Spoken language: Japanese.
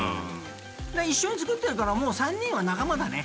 一緒に作ってるからもう３人は仲間だね。